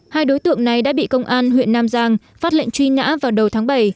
hai đối tượng này đã bị công an huyện nam giang phát lệnh truy nã vào đầu tháng bảy